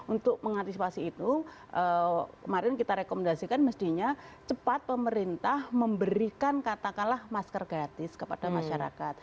untuk mengantisipasi itu kemarin kita rekomendasikan mestinya cepat pemerintah memberikan katakanlah masker gratis kepada masyarakat